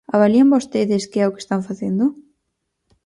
¿Avalían vostedes que é o que están facendo?